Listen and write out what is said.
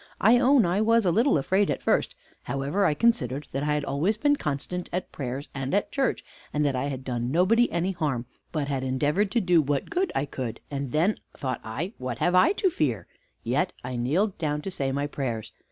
I own I was a little afraid at first; however, I considered that I had always been constant at prayers, and at church, and that I had done nobody any harm, but had endeavored to do what good I could; and then thought I, what have I to fear? Yet I kneeled down to say my prayers.